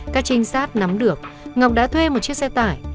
các trinh sát nắm được ngọc đã thuê một chiếc xe tải